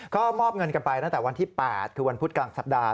ก็มอบเงินกันไปตั้งแต่วันที่๘คือวันพุธกลางสัปดาห